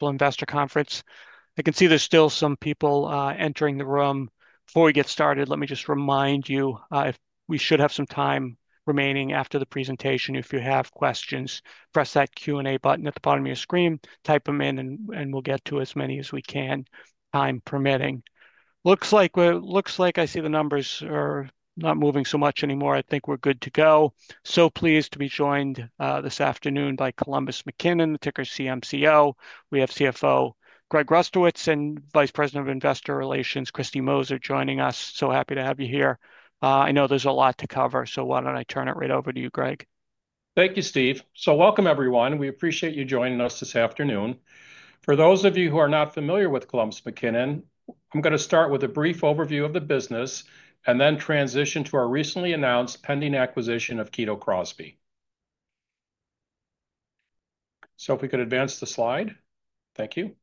Colliers Master Conference. I can see there's still some people entering the room. Before we get started, let me just remind you if we should have some time remaining after the presentation. If you have questions, press that Q&A button at the bottom of your screen, type them in, and we'll get to as many as we can, time permitting. Looks like I see the numbers are not moving so much anymore. I think we're good to go. Pleased to be joined this afternoon by Columbus McKinnon, the ticker CMCO. We have CFO Greg Rustowicz and Vice President of Investor Relations, Kristine Moser, joining us. Happy to have you here. I know there's a lot to cover, so why don't I turn it right over to you, Greg? Thank you, Steve. Welcome, everyone. We appreciate you joining us this afternoon. For those of you who are not familiar with Columbus McKinnon, I'm going to start with a brief overview of the business and then transition to our recently announced pending acquisition of Kito Crosby. If we could advance the slide. Thank you.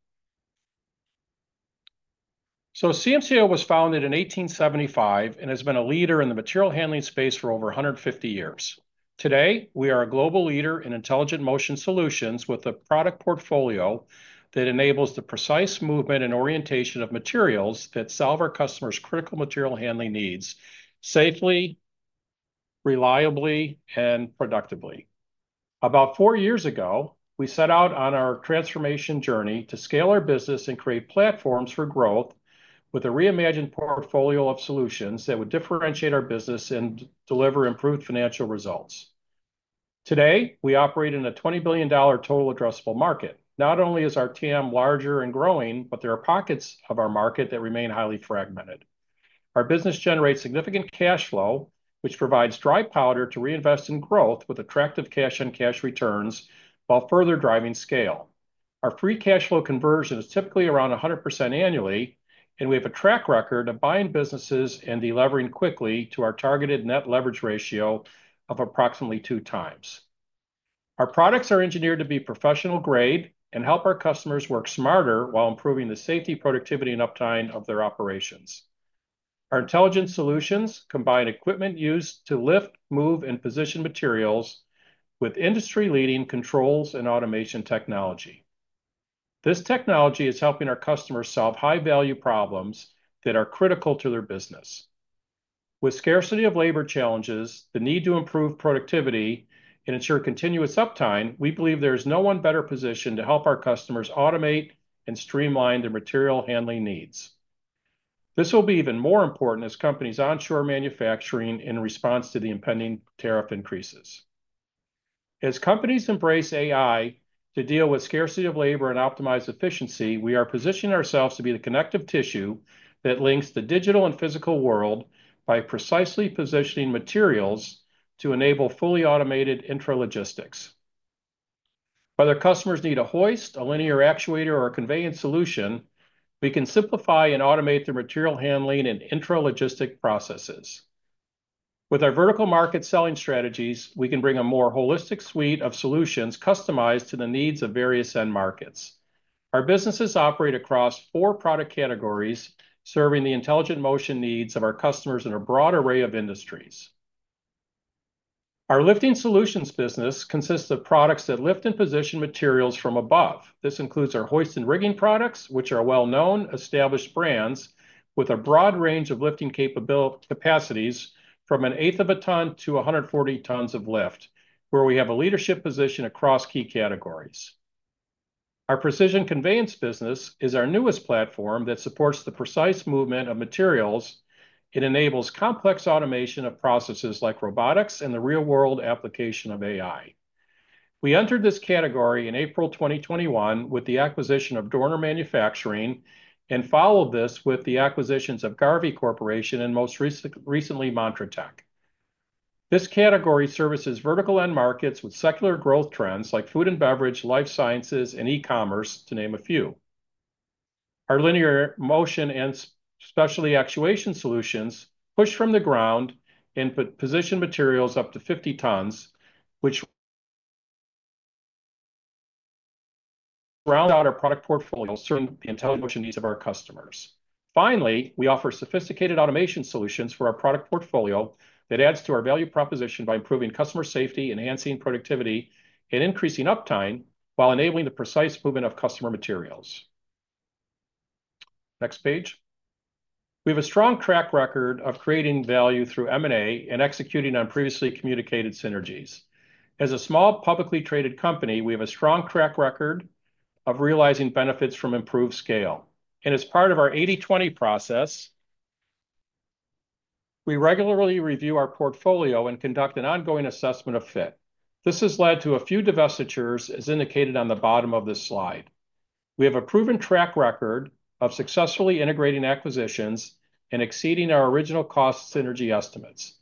CMCO was founded in 1875 and has been a leader in the material handling space for over 150 years. Today, we are a global leader in Intelligent Motion solutions with a product portfolio that enables the precise movement and orientation of materials that solve our customers' critical material handling needs safely, reliably, and productively. About four years ago, we set out on our transformation journey to scale our business and create platforms for growth with a reimagined portfolio of solutions that would differentiate our business and deliver improved financial results. Today, we operate in a $20 billion total addressable market. Not only is our TAM larger and growing, but there are pockets of our market that remain highly fragmented. Our business generates significant cash flow, which provides dry powder to reinvest in growth with attractive cash on cash returns while further driving scale. Our free cash flow conversion is typically around 100% annually, and we have a track record of buying businesses and delivering quickly to our targeted net leverage ratio of approximately 2x. Our products are engineered to be professional grade and help our customers work smarter while improving the safety, productivity, and uptime of their operations. Our intelligent solutions combine equipment used to lift, move, and position materials with industry-leading controls and automation technology. This technology is helping our customers solve high-value problems that are critical to their business. With scarcity of labor challenges, the need to improve productivity, and ensure continuous uptime, we believe there is no one better positioned to help our customers automate and streamline their material handling needs. This will be even more important as companies onshore manufacturing in response to the impending tariff increases. As companies embrace AI to deal with scarcity of labor and optimize efficiency, we are positioning ourselves to be the connective tissue that links the digital and physical world by precisely positioning materials to enable fully automated intralogistics. Whether customers need a hoist, a linear actuator, or a conveyance solution, we can simplify and automate the material handling and intralogistic processes. With our vertical market selling strategies, we can bring a more holistic suite of solutions customized to the needs of various end markets. Our businesses operate across four product categories serving the intelligent motion needs of our customers in a broad array of industries. Our lifting solutions business consists of products that lift and position materials from above. This includes our hoist and rigging products, which are well-known established brands with a broad range of lifting capacities from an eighth of a ton to 140 tons of lift, where we have a leadership position across key categories. Our precision conveyance business is our newest platform that supports the precise movement of materials. It enables complex automation of processes like robotics and the real-world application of AI. We entered this category in April 2021 with the acquisition of Dorner Manufacturing and followed this with the acquisitions of Garvey Corporation and most recently Montratec. This category services vertical end markets with secular growth trends like food and beverage, life sciences, and e-commerce, to name a few. Our linear motion and specialty actuation solutions push from the ground and position materials up to 50 tons, which round out our product portfolio to serve the intelligent motion needs of our customers. Finally, we offer sophisticated automation solutions for our product portfolio that adds to our value proposition by improving customer safety, enhancing productivity, and increasing uptime while enabling the precise movement of customer materials. Next page. We have a strong track record of creating value through M&A and executing on previously communicated synergies. As a small publicly traded company, we have a strong track record of realizing benefits from improved scale. As part of our 80/20 process, we regularly review our portfolio and conduct an ongoing assessment of fit. This has led to a few divestitures, as indicated on the bottom of this slide. We have a proven track record of successfully integrating acquisitions and exceeding our original cost synergy estimates.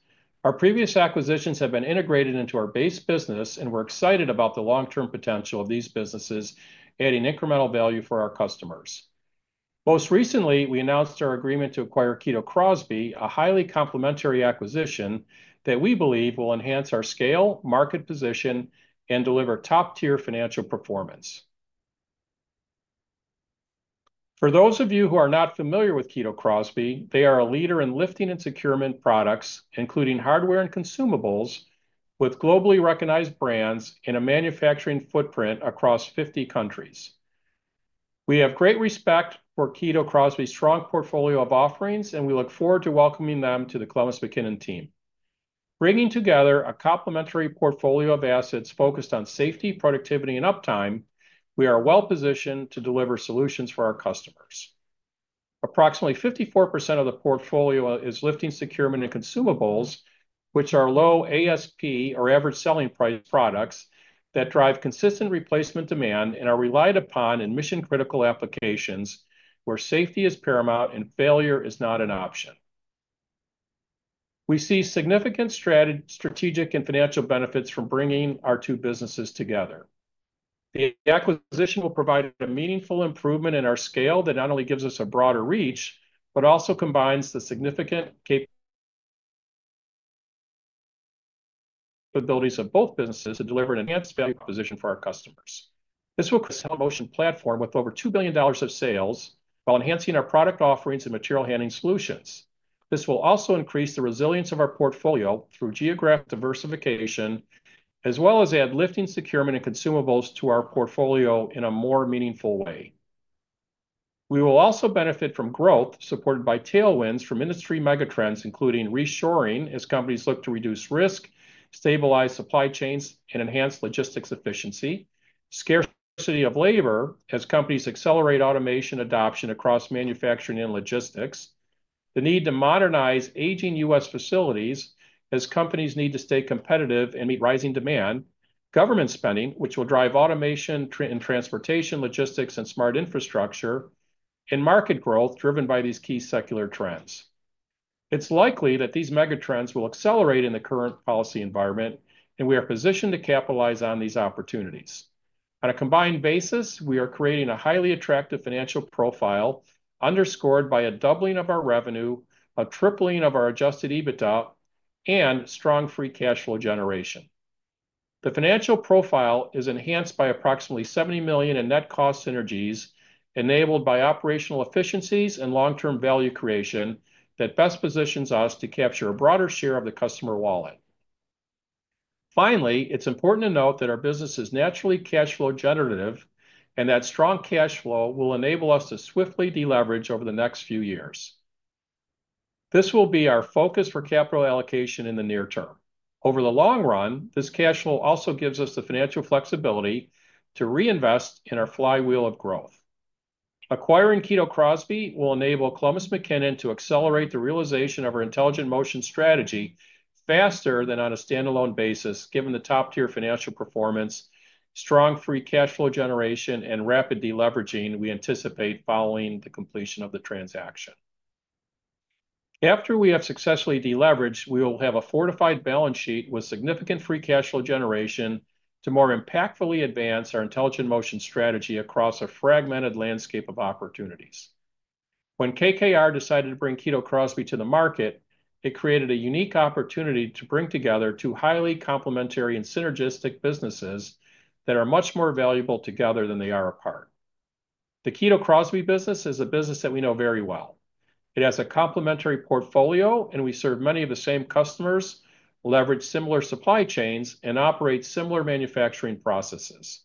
Our previous acquisitions have been integrated into our base business, and we're excited about the long-term potential of these businesses adding incremental value for our customers. Most recently, we announced our agreement to acquire Kito Crosby, a highly complementary acquisition that we believe will enhance our scale, market position, and deliver top-tier financial performance. For those of you who are not familiar with Kito Crosby, they are a leader in lifting and securement products, including hardware and consumables, with globally recognized brands and a manufacturing footprint across 50 countries. We have great respect for Kito Crosby's strong portfolio of offerings, and we look forward to welcoming them to the Columbus McKinnon team. Bringing together a complementary portfolio of assets focused on safety, productivity, and uptime, we are well-positioned to deliver solutions for our customers. Approximately 54% of the portfolio is lifting, securement, and consumables, which are low ASP, or average selling price products, that drive consistent replacement demand and are relied upon in mission-critical applications where safety is paramount and failure is not an option. We see significant strategic and financial benefits from bringing our two businesses together. The acquisition will provide a meaningful improvement in our scale that not only gives us a broader reach, but also combines the significant capabilities of both businesses to deliver an enhanced value proposition for our customers. This will create a motion platform with over $2 billion of sales while enhancing our product offerings and material handling solutions. This will also increase the resilience of our portfolio through geographic diversification, as well as add lifting, securement, and consumables to our portfolio in a more meaningful way. We will also benefit from growth supported by tailwinds from industry megatrends, including reshoring as companies look to reduce risk, stabilize supply chains, and enhance logistics efficiency, scarcity of labor as companies accelerate automation adoption across manufacturing and logistics, the need to modernize aging U.S. facilities as companies need to stay competitive and meet rising demand, government spending, which will drive automation and transportation, logistics, and smart infrastructure, and market growth driven by these key secular trends. It's likely that these megatrends will accelerate in the current policy environment, and we are positioned to capitalize on these opportunities. On a combined basis, we are creating a highly attractive financial profile underscored by a doubling of our revenue, a tripling of our adjusted EBITDA, and strong free cash flow generation. The financial profile is enhanced by approximately $70 million in net cost synergies enabled by operational efficiencies and long-term value creation that best positions us to capture a broader share of the customer wallet. Finally, it's important to note that our business is naturally cash flow generative and that strong cash flow will enable us to swiftly deleverage over the next few years. This will be our focus for capital allocation in the near term. Over the long run, this cash flow also gives us the financial flexibility to reinvest in our flywheel of growth. Acquiring Kito Crosby will enable Columbus McKinnon to accelerate the realization of our intelligent motion strategy faster than on a standalone basis, given the top-tier financial performance, strong free cash flow generation, and rapid deleveraging we anticipate following the completion of the transaction. After we have successfully deleveraged, we will have a fortified balance sheet with significant free cash flow generation to more impactfully advance our intelligent motion strategy across a fragmented landscape of opportunities. When KKR decided to bring Kito Crosby to the market, it created a unique opportunity to bring together two highly complementary and synergistic businesses that are much more valuable together than they are apart. The Kito Crosby business is a business that we know very well. It has a complementary portfolio, and we serve many of the same customers, leverage similar supply chains, and operate similar manufacturing processes.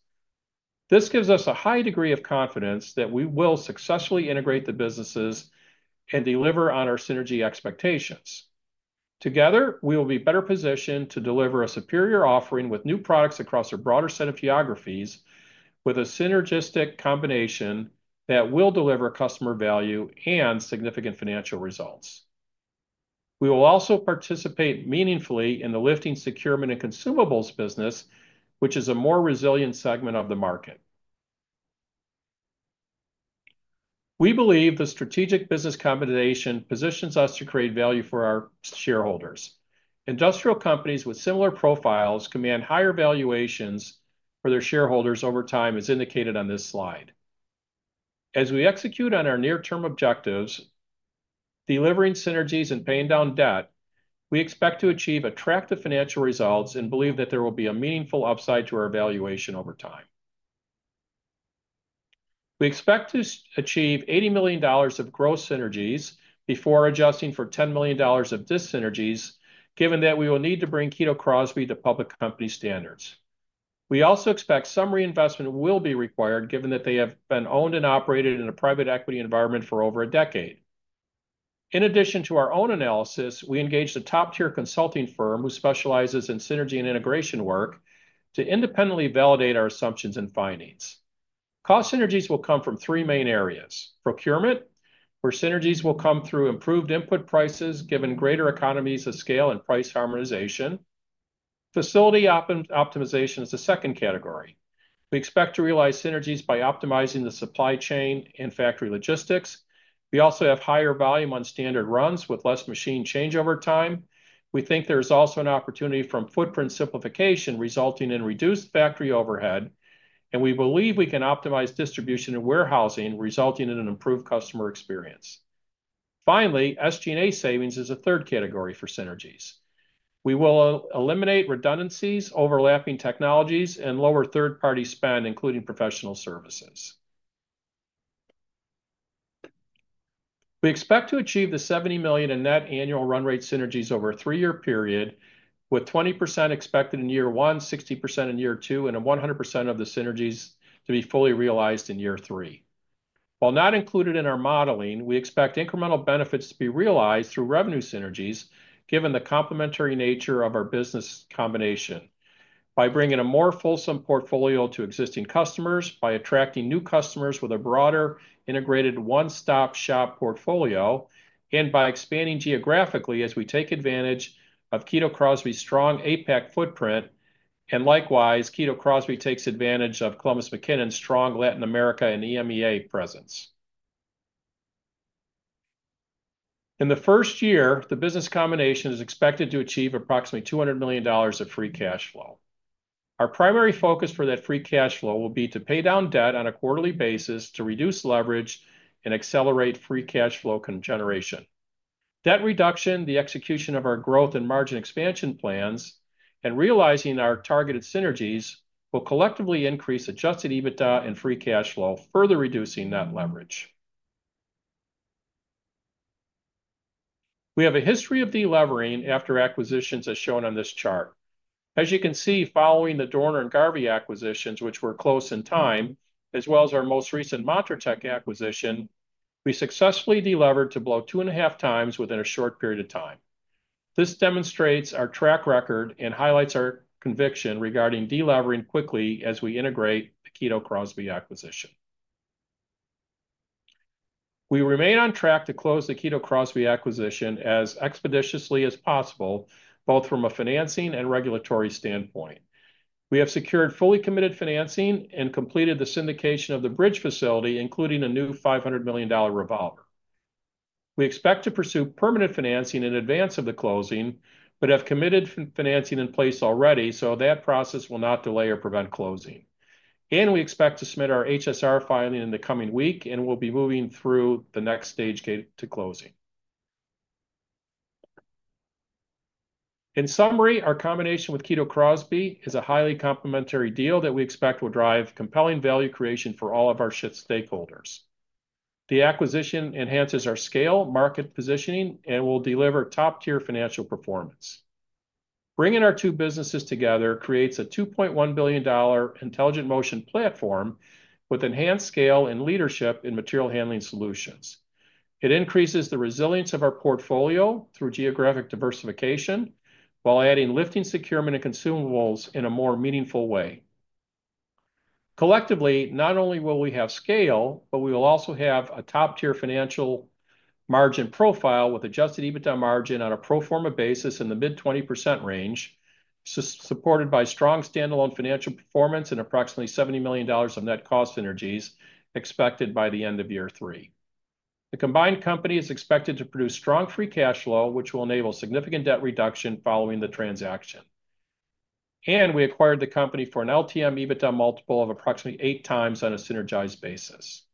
This gives us a high degree of confidence that we will successfully integrate the businesses and deliver on our synergy expectations. Together, we will be better positioned to deliver a superior offering with new products across a broader set of geographies with a synergistic combination that will deliver customer value and significant financial results. We will also participate meaningfully in the lifting, securement, and consumables business, which is a more resilient segment of the market. We believe the strategic business combination positions us to create value for our shareholders. Industrial companies with similar profiles command higher valuations for their shareholders over time, as indicated on this slide. As we execute on our near-term objectives, delivering synergies and paying down debt, we expect to achieve attractive financial results and believe that there will be a meaningful upside to our valuation over time. We expect to achieve $80 million of gross synergies before adjusting for $10 million of dissynergies, given that we will need to bring Kito Crosby to public company standards. We also expect some reinvestment will be required, given that they have been owned and operated in a private equity environment for over a decade. In addition to our own analysis, we engage the top-tier consulting firm who specializes in synergy and integration work to independently validate our assumptions and findings. Cost synergies will come from three main areas: procurement, where synergies will come through improved input prices, given greater economies of scale and price harmonization; facility optimization is the second category. We expect to realize synergies by optimizing the supply chain and factory logistics. We also have higher volume on standard runs with less machine changeover time. We think there is also an opportunity from footprint simplification resulting in reduced factory overhead, and we believe we can optimize distribution and warehousing, resulting in an improved customer experience. Finally, SG&A savings is a third category for synergies. We will eliminate redundancies, overlapping technologies, and lower third-party spend, including professional services. We expect to achieve the $70 million in net annual run rate synergies over a three-year period, with 20% expected in year one, 60% in year two, and 100% of the synergies to be fully realized in year three. While not included in our modeling, we expect incremental benefits to be realized through revenue synergies, given the complementary nature of our business combination, by bringing a more fulsome portfolio to existing customers, by attracting new customers with a broader integrated one-stop-shop portfolio, and by expanding geographically as we take advantage of Kito Crosby's strong APAC footprint. Likewise, Kito Crosby takes advantage of Columbus McKinnon's strong Latin America and EMEA presence. In the first year, the business combination is expected to achieve approximately $200 million of free cash flow. Our primary focus for that free cash flow will be to pay down debt on a quarterly basis to reduce leverage and accelerate free cash flow generation. Debt reduction, the execution of our growth and margin expansion plans, and realizing our targeted synergies will collectively increase adjusted EBITDA and free cash flow, further reducing net leverage. We have a history of delivering after acquisitions as shown on this chart. As you can see, following the Dorner and Garvey acquisitions, which were close in time, as well as our most recent Mantra Tech acquisition, we successfully delivered to below two and a half times within a short period of time. This demonstrates our track record and highlights our conviction regarding delivering quickly as we integrate the Kito Crosby acquisition. We remain on track to close the Kito Crosby acquisition as expeditiously as possible, both from a financing and regulatory standpoint. We have secured fully committed financing and completed the syndication of the bridge facility, including a new $500 million revolver. We expect to pursue permanent financing in advance of the closing, but have committed financing in place already, so that process will not delay or prevent closing. We expect to submit our HSR filing in the coming week and will be moving through the next stage to closing. In summary, our combination with Kito Crosby is a highly complementary deal that we expect will drive compelling value creation for all of our stakeholders. The acquisition enhances our scale, market positioning, and will deliver top-tier financial performance. Bringing our two businesses together creates a $2.1 billion intelligent motion platform with enhanced scale and leadership in material handling solutions. It increases the resilience of our portfolio through geographic diversification while adding lifting, securement, and consumables in a more meaningful way. Collectively, not only will we have scale, but we will also have a top-tier financial margin profile with adjusted EBITDA margin on a pro forma basis in the mid-20% range, supported by strong standalone financial performance and approximately $70 million of net cost synergies expected by the end of year three. The combined company is expected to produce strong free cash flow, which will enable significant debt reduction following the transaction. We acquired the company for an LTM EBITDA multiple of approximately eight times on a synergized basis.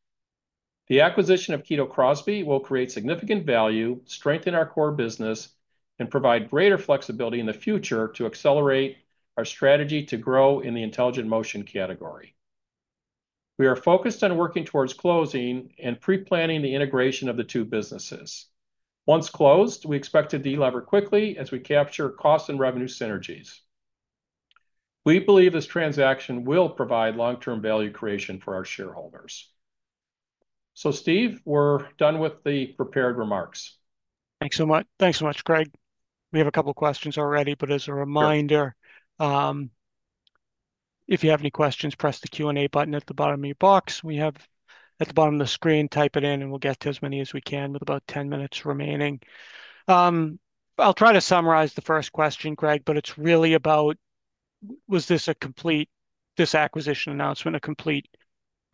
The acquisition of Kito Crosby will create significant value, strengthen our core business, and provide greater flexibility in the future to accelerate our strategy to grow in the intelligent motion category. We are focused on working towards closing and pre-planning the integration of the two businesses. Once closed, we expect to deliver quickly as we capture cost and revenue synergies. We believe this transaction will provide long-term value creation for our shareholders. Steve, we're done with the prepared remarks. Thanks so much, Greg. We have a couple of questions already, but as a reminder, if you have any questions, press the Q&A button at the bottom of your box. We have at the bottom of the screen, type it in, and we'll get to as many as we can with about 10 minutes remaining. I'll try to summarize the first question, Greg, but it's really about, was this acquisition announcement a complete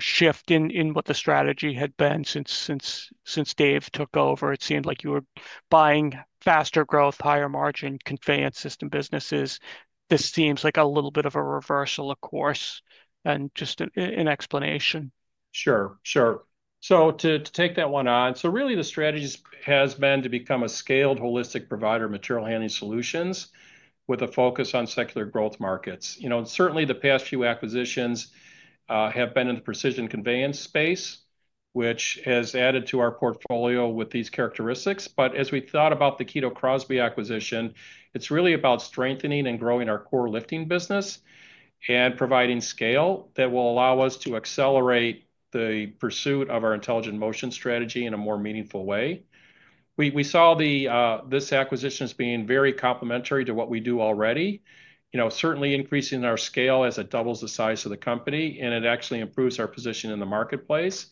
shift in what the strategy had been since Dave took over? It seemed like you were buying faster growth, higher margin, conveyance system businesses. This seems like a little bit of a reversal of course and just an explanation. Sure, sure. To take that one on, really the strategy has been to become a scaled holistic provider of material handling solutions with a focus on secular growth markets. Certainly, the past few acquisitions have been in the precision conveyance space, which has added to our portfolio with these characteristics. As we thought about the Kito Crosby acquisition, it's really about strengthening and growing our core lifting business and providing scale that will allow us to accelerate the pursuit of our intelligent motion strategy in a more meaningful way. We saw this acquisition as being very complementary to what we do already, certainly increasing our scale as it doubles the size of the company, and it actually improves our position in the marketplace.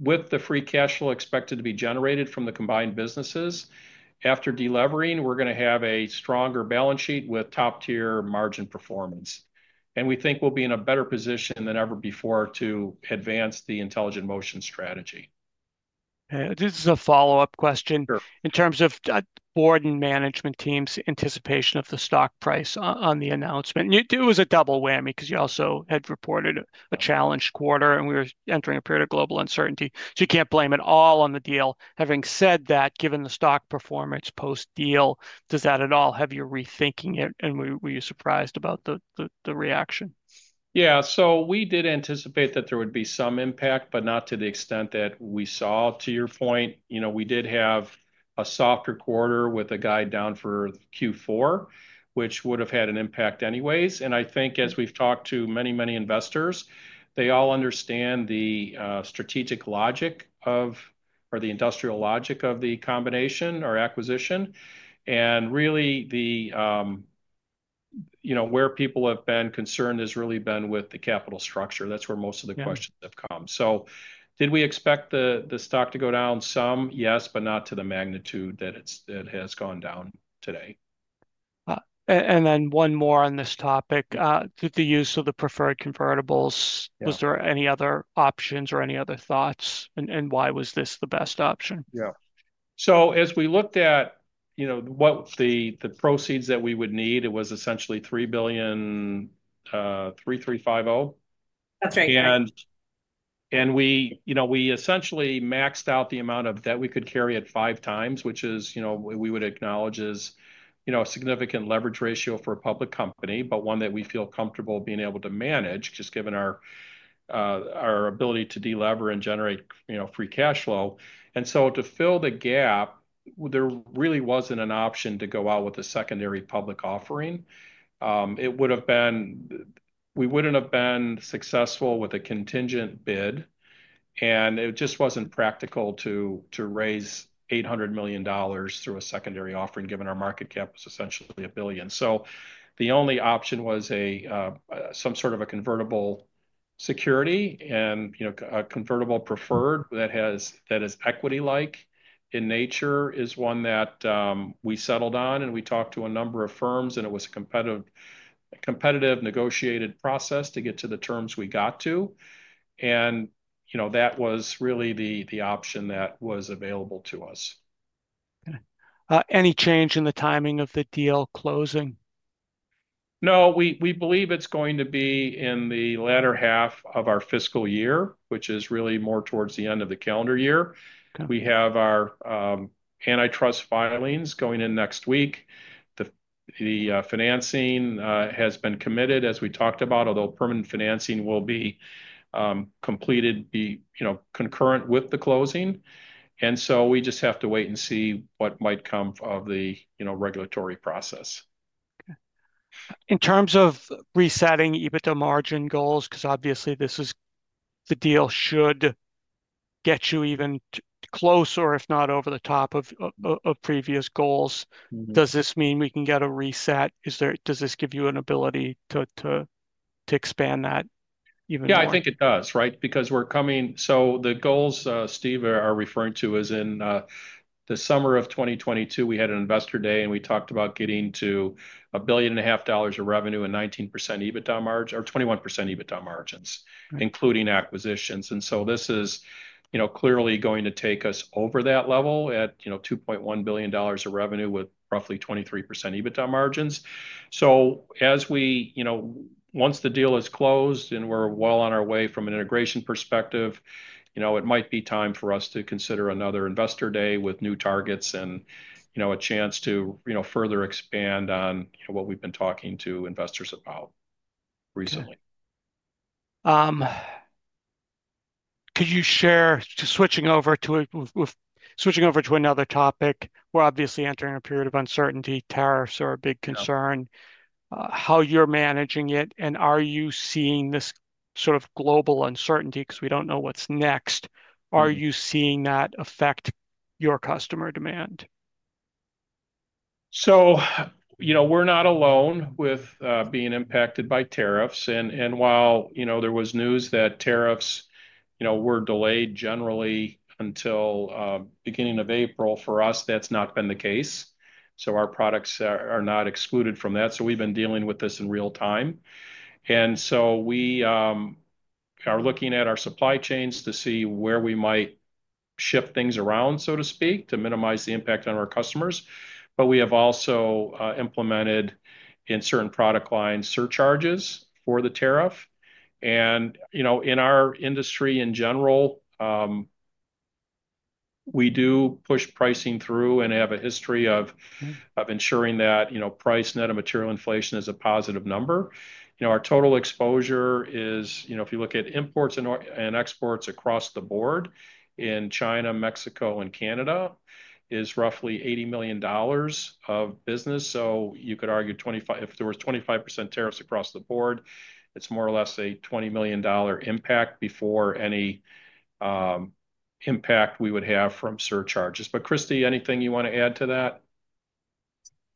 With the free cash flow expected to be generated from the combined businesses, after delevering, we're going to have a stronger balance sheet with top-tier margin performance. We think we'll be in a better position than ever before to advance the intelligent motion strategy. This is a follow-up question in terms of board and management team's anticipation of the stock price on the announcement. It was a double whammy because you also had reported a challenged quarter, and we were entering a period of global uncertainty. You can't blame it all on the deal. Having said that, given the stock performance post-deal, does that at all have you rethinking it? Were you surprised about the reaction? Yeah. We did anticipate that there would be some impact, but not to the extent that we saw. To your point, we did have a softer quarter with a guide down for Q4, which would have had an impact anyways. I think as we've talked to many, many investors, they all understand the strategic logic of or the industrial logic of the combination or acquisition. Really, where people have been concerned has really been with the capital structure. That's where most of the questions have come. Did we expect the stock to go down some? Yes, but not to the magnitude that it has gone down today. One more on this topic, the use of the preferred convertibles. Was there any other options or any other thoughts, and why was this the best option? Yeah. As we looked at what the proceeds that we would need, it was essentially $33,350. That's right. We essentially maxed out the amount of debt we could carry at five times, which we would acknowledge as a significant leverage ratio for a public company, but one that we feel comfortable being able to manage, just given our ability to deliver and generate free cash flow. To fill the gap, there really was not an option to go out with a secondary public offering. It would have been we wouldn't have been successful with a contingent bid, and it just wasn't practical to raise $800 million through a secondary offering, given our market cap was essentially a billion. The only option was some sort of a convertible security and a convertible preferred that is equity-like in nature is one that we settled on. We talked to a number of firms, and it was a competitive negotiated process to get to the terms we got to. That was really the option that was available to us. Any change in the timing of the deal closing? No, we believe it's going to be in the latter half of our fiscal year, which is really more towards the end of the calendar year. We have our antitrust filings going in next week. The financing has been committed, as we talked about, although permanent financing will be completed concurrent with the closing. We just have to wait and see what might come of the regulatory process. In terms of resetting EBITDA margin goals, because obviously this deal should get you even closer if not over the top of previous goals, does this mean we can get a reset? Does this give you an ability to expand that even more? Yeah, I think it does, right? Because we're coming, so the goals, Steve, are referring to as in the summer of 2022, we had an investor day, and we talked about getting to a billion and a half dollars of revenue and 19% EBITDA margin or 21% EBITDA margins, including acquisitions. This is clearly going to take us over that level at $2.1 billion of revenue with roughly 23% EBITDA margins. Once the deal is closed and we're well on our way from an integration perspective, it might be time for us to consider another investor day with new targets and a chance to further expand on what we've been talking to investors about recently. Could you share, switching over to another topic? We're obviously entering a period of uncertainty. Tariffs are a big concern. How you're managing it, and are you seeing this sort of global uncertainty because we don't know what's next? Are you seeing that affect your customer demand? We're not alone with being impacted by tariffs. While there was news that tariffs were delayed generally until beginning of April, for us, that's not been the case. Our products are not excluded from that. We have been dealing with this in real time. We are looking at our supply chains to see where we might shift things around, so to speak, to minimize the impact on our customers. We have also implemented in certain product lines surcharges for the tariff. In our industry in general, we do push pricing through and have a history of ensuring that price net and material inflation is a positive number. Our total exposure is, if you look at imports and exports across the board in China, Mexico, and Canada, is roughly $80 million of business. You could argue if there was 25% tariffs across the board, it is more or less a $20 million impact before any impact we would have from surcharges. Kristine, anything you want to add to that?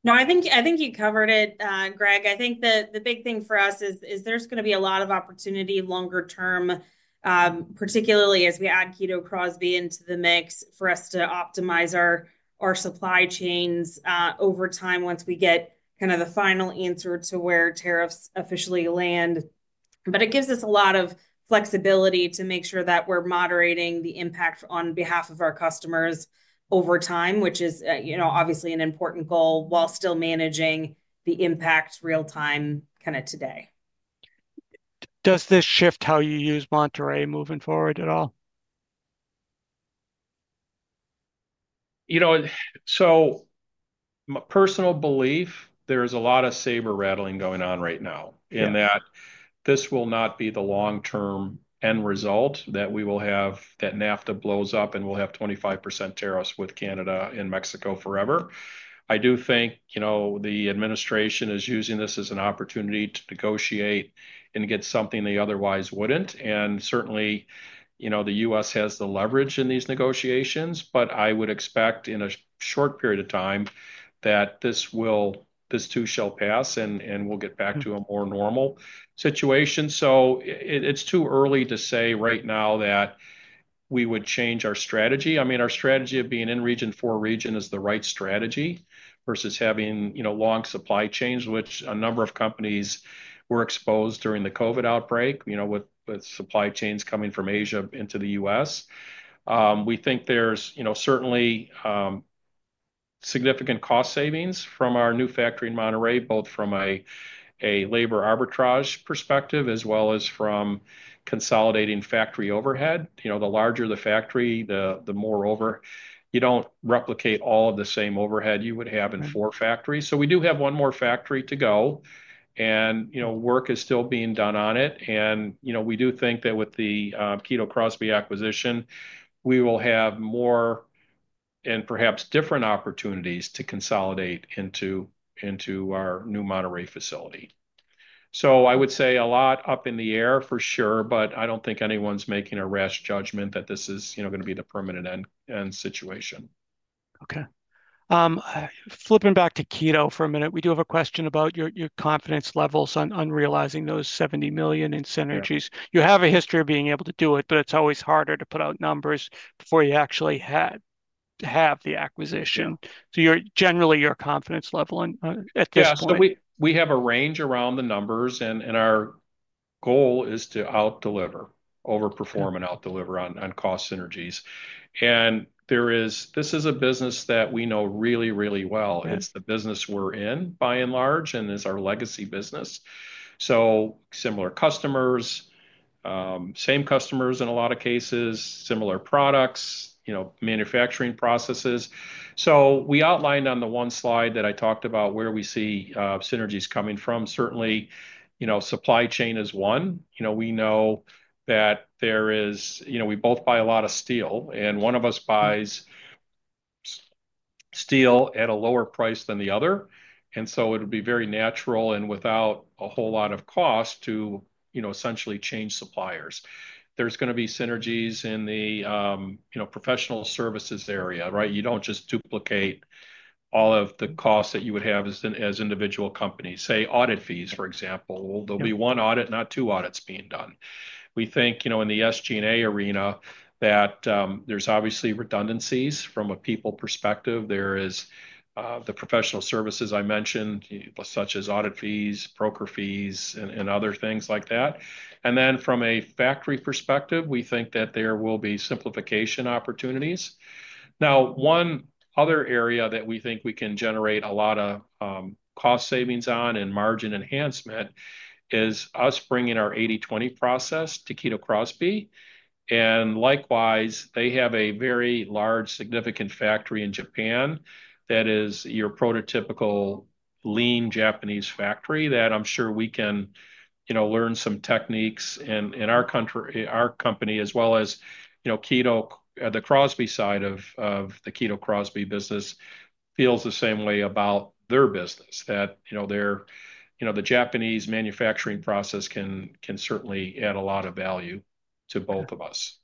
No, I think you covered it, Greg. I think the big thing for us is there's going to be a lot of opportunity longer term, particularly as we add Kito Crosby into the mix for us to optimize our supply chains over time once we get kind of the final answer to where tariffs officially land. It gives us a lot of flexibility to make sure that we're moderating the impact on behalf of our customers over time, which is obviously an important goal while still managing the impact real time kind of today. Does this shift how you use Monterrey moving forward at all? My personal belief, there is a lot of saber rattling going on right now in that this will not be the long-term end result that we will have that NAFTA blows up and we'll have 25% tariffs with Canada and Mexico forever. I do think the administration is using this as an opportunity to negotiate and get something they otherwise wouldn't. Certainly, the U.S. has the leverage in these negotiations, but I would expect in a short period of time that this too shall pass and we'll get back to a more normal situation. It's too early to say right now that we would change our strategy. I mean, our strategy of being in region for region is the right strategy versus having long supply chains, which a number of companies were exposed during the COVID outbreak with supply chains coming from Asia into the U.S. We think there's certainly significant cost savings from our new factory in Monterey, both from a labor arbitrage perspective as well as from consolidating factory overhead. The larger the factory, the more over. You do not replicate all of the same overhead you would have in four factories. We do have one more factory to go, and work is still being done on it. We do think that with the Kito Crosby acquisition, we will have more and perhaps different opportunities to consolidate into our new Monterey facility. I would say a lot up in the air for sure, but I do not think anyone is making a rash judgment that this is going to be the permanent end situation. Okay. Flipping back to Kito for a minute, we do have a question about your confidence levels on realizing those $70 million in synergies. You have a history of being able to do it, but it is always harder to put out numbers before you actually have the acquisition. Generally, your confidence level at this point? Yeah. We have a range around the numbers, and our goal is to outdeliver, overperform, and outdeliver on cost synergies. This is a business that we know really, really well. It is the business we are in by and large and is our legacy business. Similar customers, same customers in a lot of cases, similar products, manufacturing processes. We outlined on the one slide that I talked about where we see synergies coming from. Certainly, supply chain is one. We know that we both buy a lot of steel, and one of us buys steel at a lower price than the other. It would be very natural and without a whole lot of cost to essentially change suppliers. There are going to be synergies in the professional services area, right? You do not just duplicate all of the costs that you would have as individual companies. Say audit fees, for example. There'll be one audit, not two audits being done. We think in the SG&A arena that there's obviously redundancies from a people perspective. There is the professional services I mentioned, such as audit fees, broker fees, and other things like that. From a factory perspective, we think that there will be simplification opportunities. One other area that we think we can generate a lot of cost savings on and margin enhancement is us bringing our 80/20 process to Kito Crosby. Likewise, they have a very large, significant factory in Japan that is your prototypical lean Japanese factory that I'm sure we can learn some techniques in our company as well as the Crosby side of the Kito Crosby business feels the same way about their business, that the Japanese manufacturing process can certainly add a lot of value to both of us.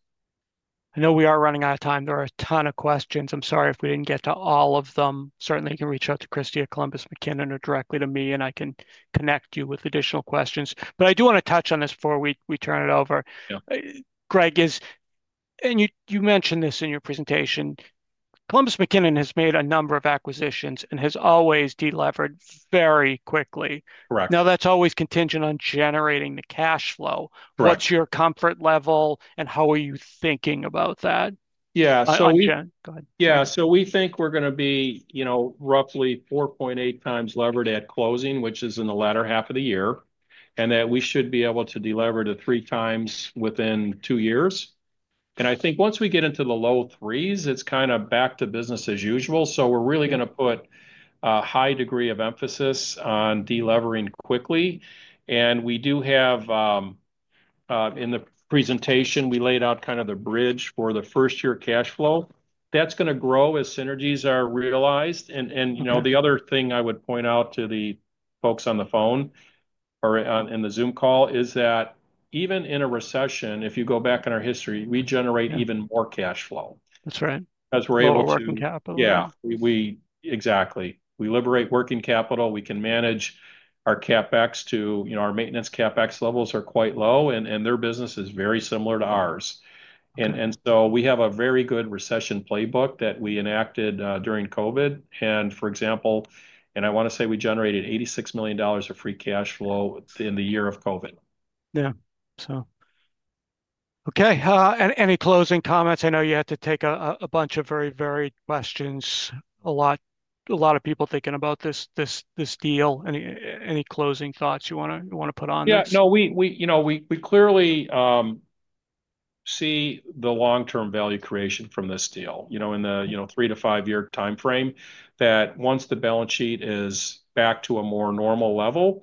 I know we are running out of time. There are a ton of questions. I'm sorry if we didn't get to all of them. Certainly, you can reach out to Kristy at Columbus McKinnon or directly to me, and I can connect you with additional questions. I do want to touch on this before we turn it over. Greg, you mentioned this in your presentation, Columbus McKinnon has made a number of acquisitions and has always delivered very quickly. Now, that's always contingent on generating the cash flow. What's your comfort level, and how are you thinking about that? Yeah. We think we're going to be roughly 4.8 times levered at closing, which is in the latter half of the year, and that we should be able to deliver to three times within two years. I think once we get into the low threes, it's kind of back to business as usual. We're really going to put a high degree of emphasis on delivering quickly. We do have in the presentation, we laid out kind of the bridge for the first-year cash flow. That's going to grow as synergies are realized. The other thing I would point out to the folks on the phone or in the Zoom call is that even in a recession, if you go back in our history, we generate even more cash flow. That's right. Because we're able to—yeah. Exactly. We liberate working capital. We can manage our CapEx to our maintenance CapEx levels are quite low, and their business is very similar to ours. We have a very good recession playbook that we enacted during COVID. For example, I want to say we generated $86 million of free cash flow in the year of COVID. Yeah. Okay. Any closing comments? I know you had to take a bunch of very varied questions. A lot of people thinking about this deal. Any closing thoughts you want to put on this? Yeah. No, we clearly see the long-term value creation from this deal in the three to five-year timeframe that once the balance sheet is back to a more normal level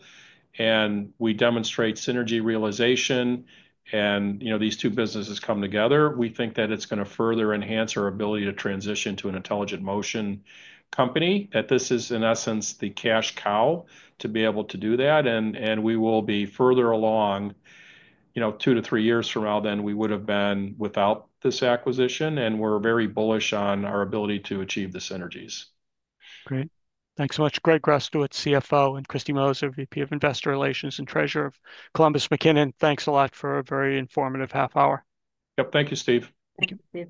and we demonstrate synergy realization and these two businesses come together, we think that it's going to further enhance our ability to transition to an intelligent motion company, that this is, in essence, the cash cow to be able to do that. We will be further along two to three years from now than we would have been without this acquisition. We are very bullish on our ability to achieve the synergies. Great. Thanks so much. Greg Rustowicz, CFO, and Kristy Moser, VP of Investor Relations and Treasurer of Columbus McKinnon. Thanks a lot for a very informative half hour. Yep. Thank you, Steve. Thank you.